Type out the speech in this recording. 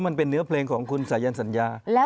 มันเป็นเนื้อเพลงของคุณสายันสัญญา